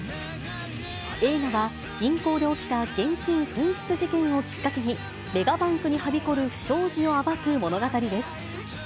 映画は銀行で起きた現金紛失事件をきっかけに、メガバンクにはびこる不祥事を暴く物語です。